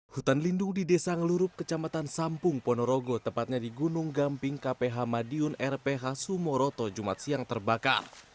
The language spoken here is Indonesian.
hutan lindung di desa ngelurup kecamatan sampung ponorogo tepatnya di gunung gamping kph madiun rph sumoroto jumat siang terbakar